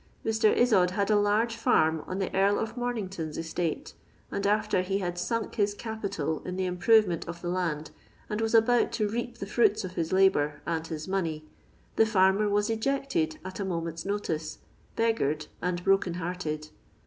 Mr. Inod had a large farm on the Earl of Momington's estate, and after he had sunk his capital in the improvement of the land, and wm about to reap the fruits of his labour and his money, the farmer was ejected at a moment's notice, beggared and broken hearted.